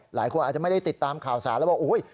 หลายคนอาจจะไม่ได้ติดตามข่าวสารแล้วบอกอุ๊ย